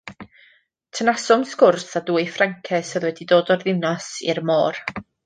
Tynasom sgwrs â dwy Ffrances oedd wedi dod o'r ddinas i'r môr.